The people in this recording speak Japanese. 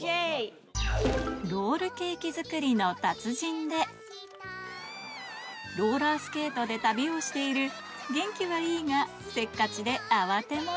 ロールケーキ作りの達人でローラースケートで旅をしている元気はいいがせっかちで慌て者